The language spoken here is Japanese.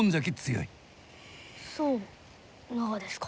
そうながですか。